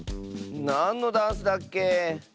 なんのダンスだっけ？